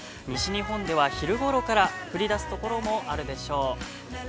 西日本では、昼ごろから降り出すところもあるでしょう。